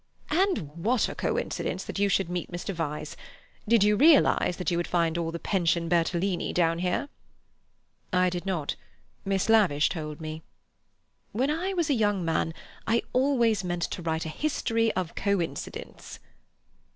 "And what a coincidence that you should meet Mr. Vyse! Did you realize that you would find all the Pension Bertolini down here?" "I did not. Miss Lavish told me." "When I was a young man, I always meant to write a 'History of Coincidence.